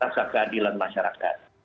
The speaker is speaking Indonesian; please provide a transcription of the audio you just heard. rasa keadilan masyarakat